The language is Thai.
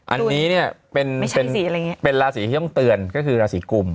อันนี้เนี่ยเป็นราศีที่ต้องเตือนก็คือราศีกุม